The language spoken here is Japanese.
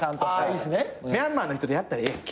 ミャンマーの人でやったらええやんけ。